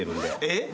えっ？